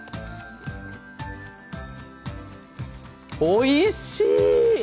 おいしい！